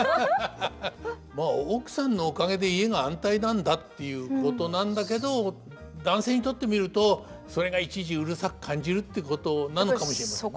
まあ奥さんのおかげで家が安泰なんだっていうことなんだけど男性にとってみるとそれがいちいちうるさく感じるってことなのかもしれませんね。